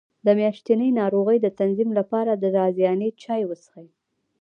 د میاشتنۍ ناروغۍ د تنظیم لپاره د رازیانې چای وڅښئ